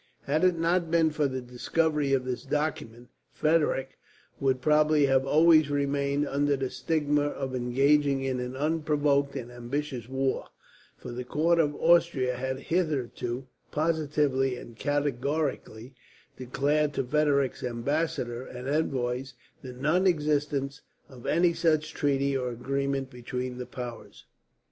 Had it not been for the discovery of this document, Frederick would probably have always remained under the stigma of engaging in an unprovoked and ambitious war; for the court of Austria had hitherto, positively and categorically, declared to Frederick's ambassador and envoys the non existence of any such treaty or agreement between the powers.